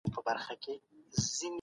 زموږ لپاره هم يوه ورځ ځانګړې کړه.